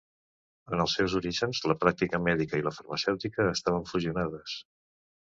En els seus orígens la pràctica mèdica i la farmacèutica estaven fusionades.